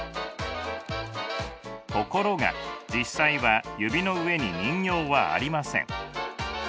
ところが実際は指の上に人形はありません。